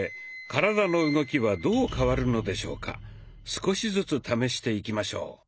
少しずつ試していきましょう。